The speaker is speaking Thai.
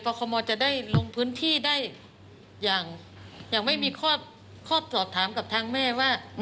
คมจะได้ลงพื้นที่ได้อย่างไม่มีข้อสอบถามกับทางแม่ว่า